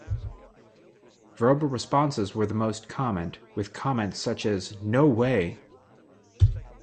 Verbal responses were the most common, with comments such as, No way!